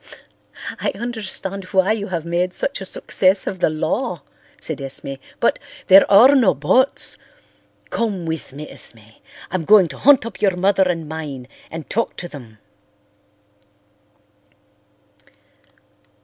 "I understand why you have made such a success of the law," said Esme, "but—" "There are no buts. Come with me, Esme. I'm going to hunt up your mother and mine and talk to them."